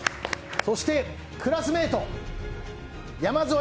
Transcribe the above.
そしてクラスメート、山添。